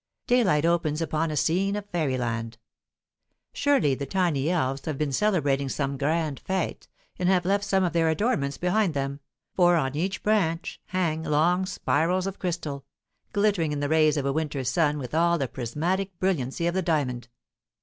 Daylight opens upon a scene of fairy land. Surely the tiny elves have been celebrating some grand fête, and have left some of their adornments behind them, for on each branch hang long spiracles of crystal, glittering in the rays of a winter's sun with all the prismatic brilliancy of the diamond.